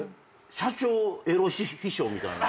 社長エロ秘書みたいな。